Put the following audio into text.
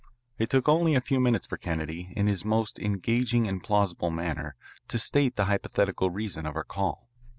It took only a few minutes for Kennedy, in his most engaging and plausible manner, to state the hypothetical reason of our call.